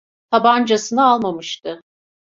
Tabancasını almamıştı.